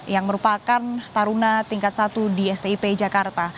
yang merupakan taruna tingkat satu di stip jakarta